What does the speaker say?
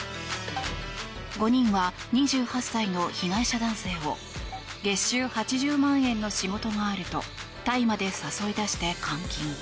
５人は２８歳の被害者男性を月収８０万円の仕事があるとタイまで誘い出して監禁。